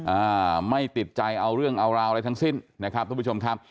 อ่าไม่ติดใจเอาเรื่องเอาราวอะไรทั้งสิ้นนะครับทุกผู้ชมครับ